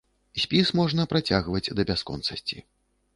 Спіс можна працягваць да бясконцасці.